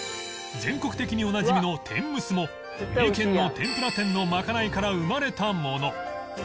全国的におなじみの天むすも名店の天ぷら店のまかないから生まれたもの